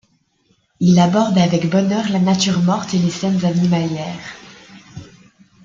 Il aborde avec bonheur la nature morte et les scènes animalières.